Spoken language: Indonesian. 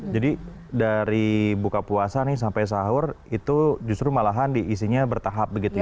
jadi dari buka puasa nih sampai sahur itu justru malahan diisinya bertahap begitu ya